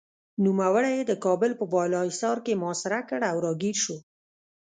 نوموړي یې د کابل په بالاحصار کې محاصره کړ او راګېر شو.